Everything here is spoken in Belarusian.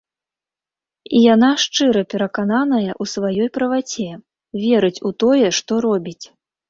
І яна шчыра перакананая ў сваёй праваце, верыць у тое, што робіць.